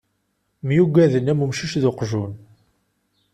Myuggaden, am umcic d uqjun.